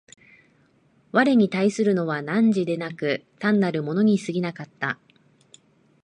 我に対するのは汝でなく、単なる物に過ぎなかった。